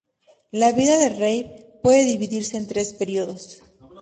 La vida de Raabe puede dividirse en tres periodos.